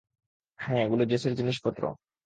হ্যাঁ এগুলো জেসের জিনিসপত্র।